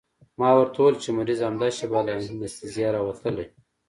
ما ورته وويل چې مريض همدا شېبه له انستيزۍ راوتلى.